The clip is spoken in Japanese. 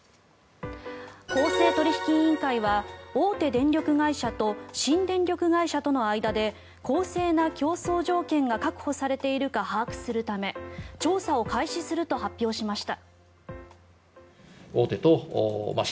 公正取引委員会は大手電力会社と新電力会社との間で公正な競争条件が確保されているか把握するため調査を開始すると発表しました。